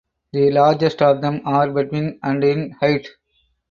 The largest of them are between and in height.